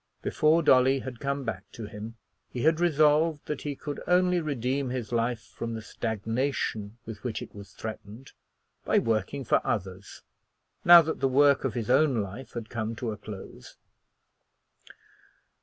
Before Dolly had come back to him he had resolved that he could only redeem his life from the stagnation with which it was threatened by working for others, now that the work of his own life had come to a close.